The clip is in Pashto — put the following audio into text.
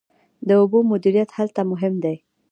د اوبو مدیریت هلته مهم دی.